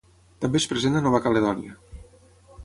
També és present a Nova Caledònia.